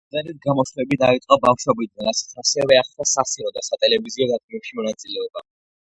სიმღერით გამოსვლები დაიწყო ბავშვობიდან, რასაც ასევე ახლდა სასცენო და სატელევიზიო დადგმებში მონაწილეობა.